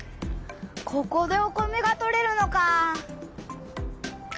ここでお米がとれるのかあ！